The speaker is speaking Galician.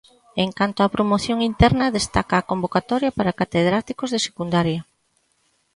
En canto á promoción interna, destaca a convocatoria para catedráticos de secundaria.